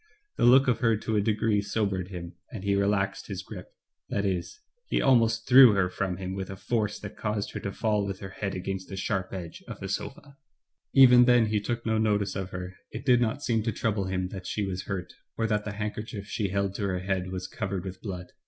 The look of her to a degree sobered him, and he relaxed his grip ; that is, he almost threw her from him with a force that caused her to fall with her head against the sharp edge of a sofa. Digitized by Google ±12 THE PATE OF FENELLA, Even then he took no notice of her ; it did not seem to trouble him that she was hurt, or that the handkerchief she held to her head was .cov ered with blood.